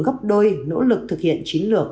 gấp đôi nỗ lực thực hiện chính lược